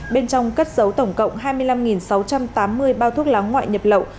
bên trong cất dấu tổng cộng hai mươi năm sáu trăm tám mươi bao thuốc lá ngoại nhập lậu